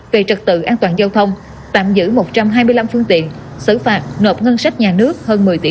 về trật tự an toàn giao thông tạm giữ một trăm hai mươi năm phương tiện xử phạt nộp ngân sách nhà nước hơn một mươi tỷ đồng